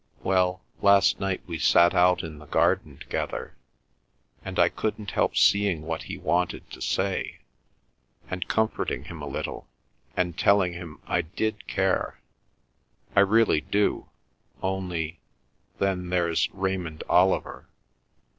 Well, last night we sat out in the garden together, and I couldn't help seeing what he wanted to say, and comforting him a little, and telling him I did care—I really do—only, then, there's Raymond Oliver.